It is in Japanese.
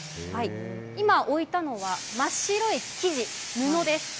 今、置いたのは、真っ白い生地、布です。